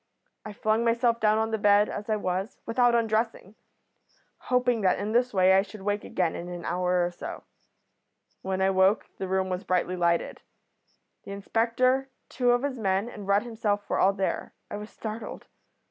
I flung myself down on the bed as I was, without undressing, hoping that in this way I should wake again in an hour or so. "When I woke the room was brightly lighted. The inspector, two of his men, and Rudd himself were all there. I was startled.